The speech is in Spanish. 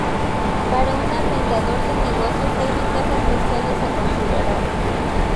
Para un arrendador de negocios hay ventajas fiscales a considerar.